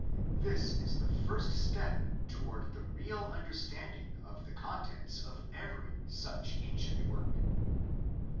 This is the first step toward the real understanding of the contents of every such ancient work.